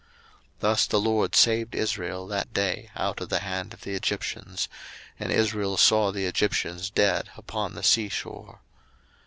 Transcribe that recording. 02:014:030 Thus the LORD saved Israel that day out of the hand of the Egyptians; and Israel saw the Egyptians dead upon the sea shore.